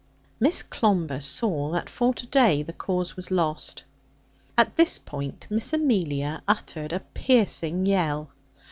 Miss Clomber saw that for to day the cause was lost. At this point Miss Amelia uttered a piercing yell.